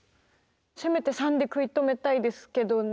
せめて３で食い止めたいですけどね。